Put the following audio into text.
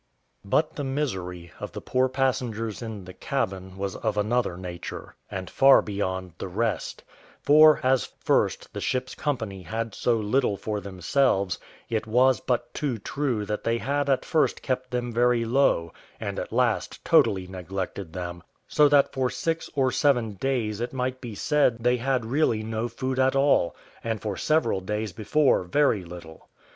But the misery of the poor passengers in the cabin was of another nature, and far beyond the rest; for as, first, the ship's company had so little for themselves, it was but too true that they had at first kept them very low, and at last totally neglected them: so that for six or seven days it might be said they had really no food at all, and for several days before very little.